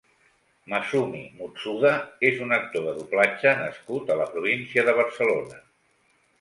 Masumi Mutsuda és un actor de Doblatge nascut a la província de Barcelona.